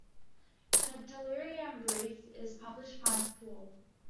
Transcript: "The Delirium Brief" is published by Tor.